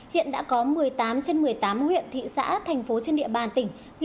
hiện đã có một mươi tám trên một mươi tám huyện thị xã thành phố trên địa bàn tỉnh